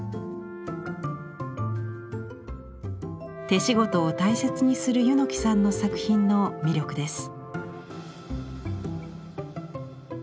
手仕事を大切にする柚木さんの作品の魅力です。